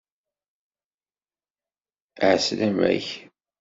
Ɛeslama-k!